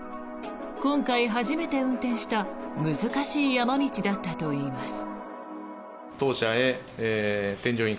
今回、初めて運転した難しい山道だったといいます。